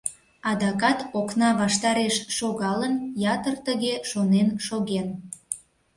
Адакат окна ваштареш шогалын, ятыр тыге шонен шоген.